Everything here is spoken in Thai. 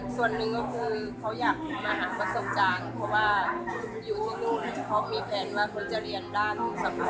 ส่วนหนึ่งก็คือเขาอยากมาหาประสบการณ์เพราะว่าอยู่ที่นู่นเขามีแพลนว่าเขาจะเรียนด้านสำคัญ